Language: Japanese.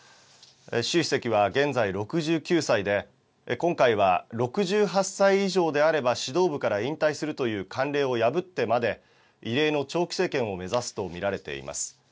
習主席は現在６９歳で、今回は６８歳以上であれば指導部から引退するという慣例を破ってまで、異例の長期政権を目指すと見られています。